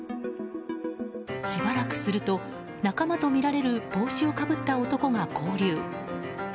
しばらくすると、仲間とみられる帽子をかぶった男が合流。